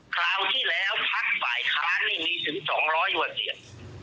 คราวที่แล้วพักฝ่ายค้านนี่มีถึง๒๐๐กว่าเสียง